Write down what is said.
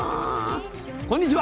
こんにちは。